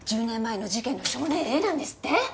１０年前の事件の少年Ａなんですって？